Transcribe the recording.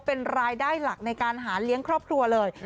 เป็นรายได้หลักในการหาเลี้ยงครอบครัวเลย